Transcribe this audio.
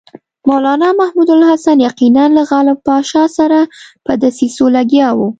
مولنا محمود الحسن یقیناً له غالب پاشا سره په دسیسو لګیا وو.